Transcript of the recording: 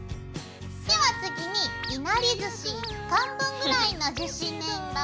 では次にいなりずし１貫分ぐらいの樹脂粘土。